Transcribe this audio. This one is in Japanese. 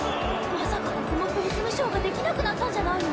まさかここもプリズムショーができなくなったんじゃないの？